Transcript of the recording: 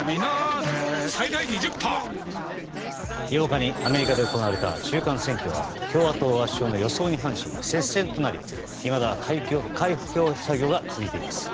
８日にアメリカで行われた中間選挙は共和党圧勝の予想に反し接戦となりいまだ開票作業が続いています。